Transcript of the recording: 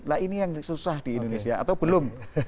nah ini yang susah di indonesia atau belum